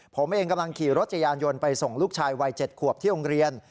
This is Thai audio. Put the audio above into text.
ผมเองกำลังขี่รถจักรยานยนต์ไปส่งลูกชายวัย๗ขวบที่โรงเรียน